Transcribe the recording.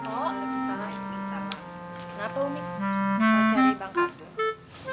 pok kenapa umi mau cari bang kardun